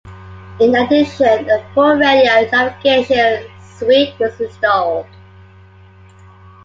In addition, a full radio navigation suite was installed.